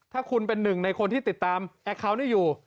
ถ้าคุณเป็นหนึ่งในคนที่ติดตามแอคเคาน์นี้อยู่